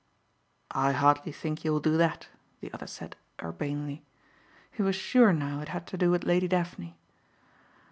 "I hardly think you will do that," the other said urbanely. He was sure now it had to do with Lady Daphne.